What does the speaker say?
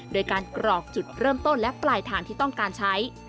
โดยการกรอกจุดเริ่มต้นและปลายทางที่ต้องการใช้